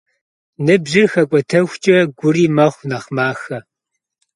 Ныбжьыр хэкӏуэтэхукӏэ, гури мэхъу нэхъ махэ.